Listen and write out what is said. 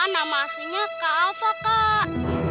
nama aslinya kak alva kak